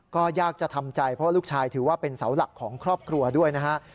ก็ยากจะทำใจเพราะลูกชายถือว่าเป็นเสาหลักของครอบครัวด้วยนะฮะ